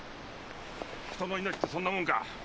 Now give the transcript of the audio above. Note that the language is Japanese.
人の命ってそんなもんか？